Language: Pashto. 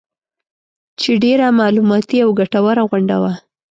چې ډېره معلوماتي او ګټوره غونډه وه